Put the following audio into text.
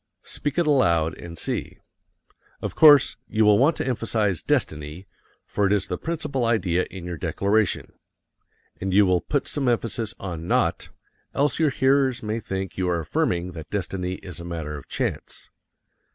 Speak it aloud and see. Of course you will want to emphasize destiny, for it is the principal idea in your declaration, and you will put some emphasis on not, else your hearers may think you are affirming that destiny is a matter of chance.